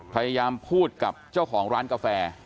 พยายามพูดกับเจ้าของร้านกาแฟ